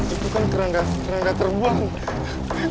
itu kan keranda keranda terbang